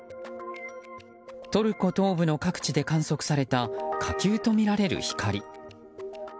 トルコ東部の各地で観測された火球とみられる光。